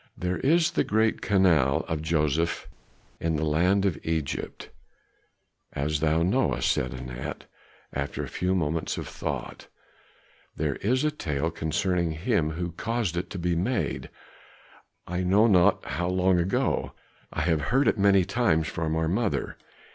"There is the great canal of Joseph in the land of Egypt, as thou knowest," said Anat, after a few moments of thought; "there is a tale concerning him who caused it to be made, I know not how long ago. I have heard it many times from our mother.